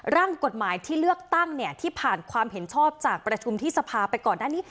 ร่างกฎหมายที่เลือกตั้งที่ผ่านความเห็นชอบจากประชุมที่สภาไปก่อนหน้านี้